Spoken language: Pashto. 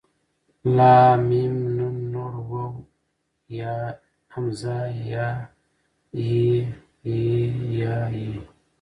ل م ن ڼ و ه ء ی ي ې ۍ ئ